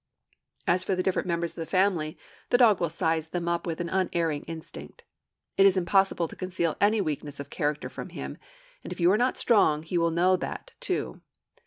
As for the different members of the family, the dog will 'size them up' with an unerring instinct. It is impossible to conceal any weakness of character from him; and if you are strong, he will know that, too.